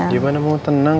gimana mau tenang